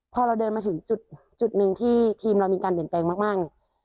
พอเราเดินมาถึงจุดจุดหนึ่งที่ทีมเรามีการเด่นแปลงมากมาก